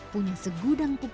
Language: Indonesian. punya segudang pepuk